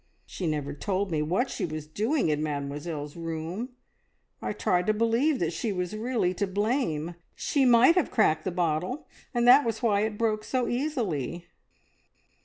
She never told me what she was doing in Mademoiselle's room I tried to believe that she was really to blame. She might have cracked the bottle, and that was why it broke so easily!"